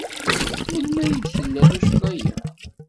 Melmi ay d-tella tuccḍa-a?